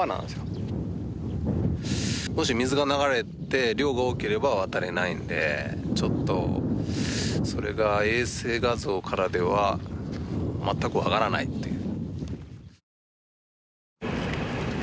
もし水が流れて量が多ければ渡れないのでちょっとそれが衛星画像からでは全くわからないという。